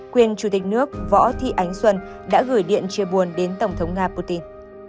quyền chủ tịch nước võ thị ánh xuân đã gửi điện chia buồn đến tổng thống nga putin